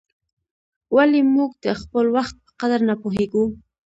ولي موږ د خپل وخت په قدر نه پوهیږو؟